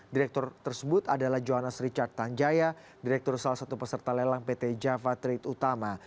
direktur tersebut adalah johannes richard tanjaya direktur salah satu peserta lelang pt java trade utama